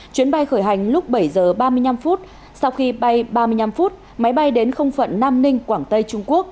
chuyến bay khởi hành lúc bảy giờ ba mươi năm phút sau khi bay ba mươi năm phút máy bay đến không phận nam ninh quảng tây trung quốc